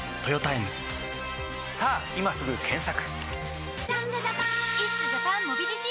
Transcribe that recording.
さぁ今すぐ検索！